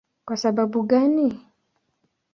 Kwa sababu gani?